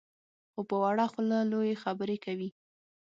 خو په وړه خوله لویې خبرې کوي.